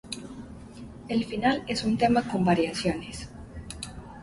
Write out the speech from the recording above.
El final es un tema con variaciones.